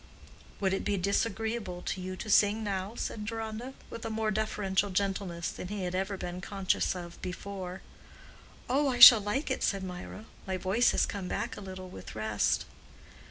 "Would it be disagreeable to you to sing now?" said Deronda, with a more deferential gentleness than he had ever been conscious of before. "Oh, I shall like it," said Mirah. "My voice has come back a little with rest."